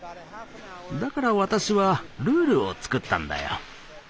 だから私はルールを作ったんだよ。